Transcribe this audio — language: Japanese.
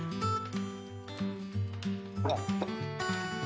あっ。